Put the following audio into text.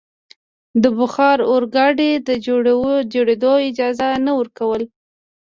د بخار اورګاډي د جوړېدو اجازه نه ورکوله.